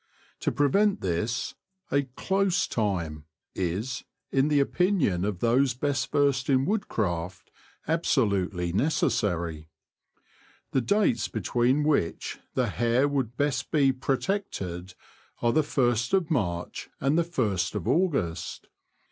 To pre vent this a ''close time" is, in the opinion of those best versed in woodcraft, absolutely necessarv. The dates between which the hare would best be protected are the first of March and the first of August.